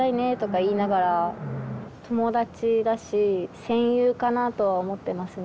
友達だし戦友かなとは思ってますね。